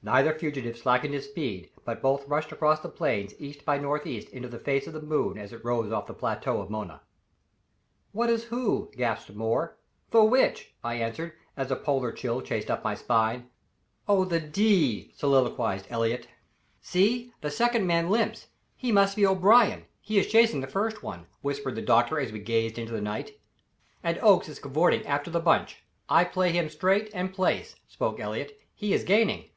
Neither fugitive slackened his speed, but both rushed across the plains east by northeast into the face of the moon as it rose off the plateau of Mona. "What is who?" gasped Moore. "The which?" I answered, as a polar chill chased up my spine. "Oh, the d l!" soliloquized Elliott. "See, the second man limps he must be O'Brien; he is chasing the first one," whispered the doctor as we gazed into the night. "And Oakes is cavorting after the bunch I play him straight and place," spoke Elliott; "he is gaining."